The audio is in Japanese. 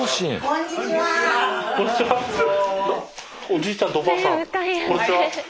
おじいちゃんとおばあさん。